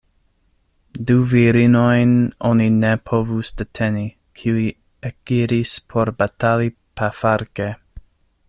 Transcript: Du virinojn oni ne povus deteni, kiuj ekiris por batali pafarke.